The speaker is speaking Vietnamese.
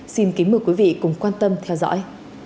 xin kính mời quý vị cùng quan tâm theo dõi